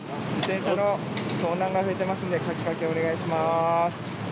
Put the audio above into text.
盗難が増えていますので鍵かけ、お願いします。